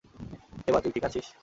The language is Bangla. দেবা, তুই ঠিক আছিস?